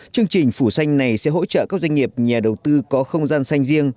chương trình phủ xanh này sẽ hỗ trợ các doanh nghiệp nhà đầu tư có không gian xanh riêng